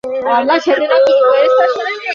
অই পাদ্রীটা, নাম ব্র্যানেন।